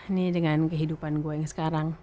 ini dengan kehidupan gue yang sekarang